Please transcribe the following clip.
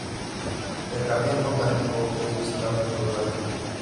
El jardín botánico es visitable todo el año.